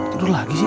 tidur lagi sih